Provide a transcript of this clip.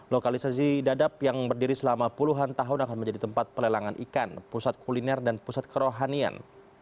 lokalisasi dadap yang berdiri selama puluhan tahun akan menjadi tempat pelelangan ikan pusat kuliner dan pusat kerohanian